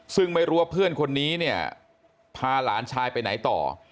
ซึ่งไม่รู้ว่าเพื่อนคนนี้เนี่ยพาหลานชายไปไหนต่อ